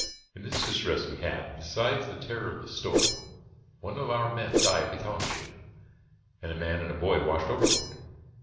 In this distress we had, besides the terror of the storm, one of our men die of the calenture, and a man and a boy washed overboard.